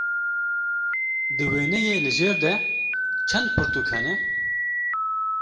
Di wêneyê li jêr de çend pirtûk hene?